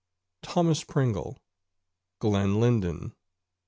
Thomas Pringle. GLEN LYNDEN, 1822.